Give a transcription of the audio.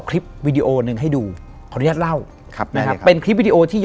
ครับ